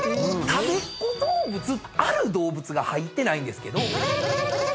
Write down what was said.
たべっ子どうぶつある動物が入ってないんですけど。